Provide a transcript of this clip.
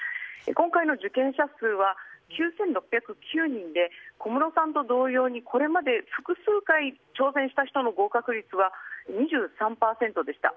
今回の受験者数は９６０９人で小室さんと同様にこれまで複数回、挑戦した人の合格率は２３％でした。